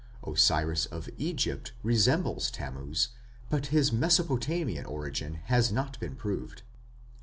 Osiris of Egypt resembles Tammuz, but his Mesopotamian origin has not been proved.